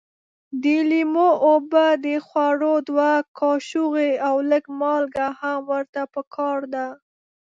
د لیمو اوبه د خوړو دوه کاشوغې او لږ مالګه هم ورته پکار ده.